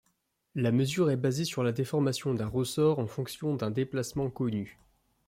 La mesure est basée sur la déformation d'un ressort en fonction d'un déplacement connu.